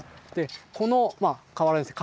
この河原ですね